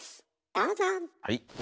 どうぞ。